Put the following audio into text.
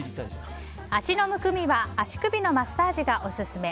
足のむくみは足首のマッサージがオススメ。